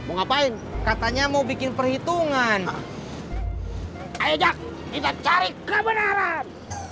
ngapain katanya mau bikin perhitungan kita cari kebenaran